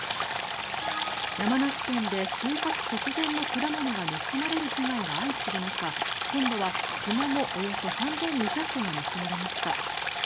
山梨県で収穫直前の果物が盗まれる被害が相次ぐ中今度はスモモおよそ３２００個が盗まれました。